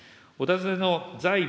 お尋ねの在